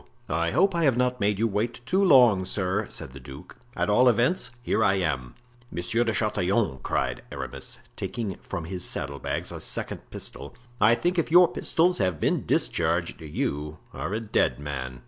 "I hope I have not made you wait too long, sir," said the duke; "at all events, here I am." "Monsieur de Chatillon," cried Aramis, taking from his saddle bags a second pistol, "I think if your pistols have been discharged you are a dead man."